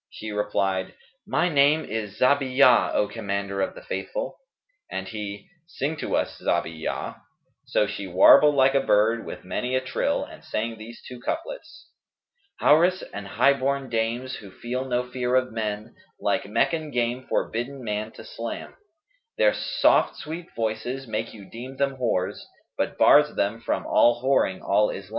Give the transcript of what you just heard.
She replied, "My name is Zabiyah,[FN#218] 0 Commander of the Faithful;" and he, "Sing to us Zabiyah;" so she warbled like a bird with many a trill and sang these two couplets, "Houris, and highborn Dames who feel no fear of men, * Like Meccan game forbidden man to slam:[FN#219] Their soft sweet voices make you deem them whores, * But bars them from all whoring Al Islam."